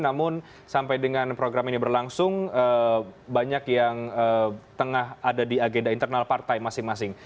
namun sampai dengan program ini berlangsung banyak yang tengah ada di agenda internal partai masing masing